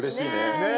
ねえ。